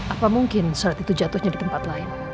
apa mungkin surat itu jatuhnya di tempat lain